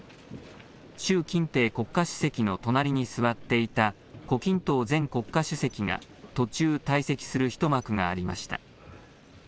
習近平国家主席の隣に座っていた胡錦涛前国家主席が途中、退席する一幕がありました。